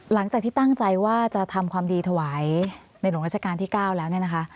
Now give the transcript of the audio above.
หลังจากที่ตั้งใจว่าจะทำความดีถวายในหลวงราชการที่๙แล้วเนี่ยนะคะ